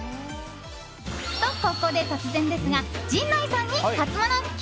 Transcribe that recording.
と、ここで突然ですが陣内さんにハツモノＱ！